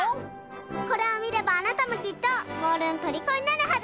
これをみればあなたもきっとモールのとりこになるはず！